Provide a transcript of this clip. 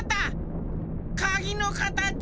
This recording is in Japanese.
かぎのかたちは。